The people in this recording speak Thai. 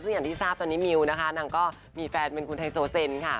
ซึ่งอย่างที่ทราบตอนนี้มิวนะคะนางก็มีแฟนเป็นคุณไฮโซเซนค่ะ